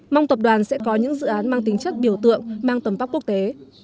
mong tập đoàn sẽ có những dự án mang tính chất biểu tượng mang tầm bắc quốc tế